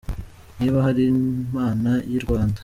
Niba hari Imana y’i Rwanda ,.